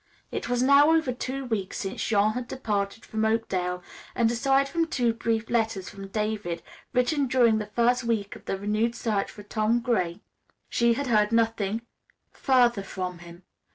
It was now over two weeks since Jean had departed from Oakdale, and aside from two brief letters from David, written during the first week of the renewed search for Tom Gray, she had heard nothing further from him.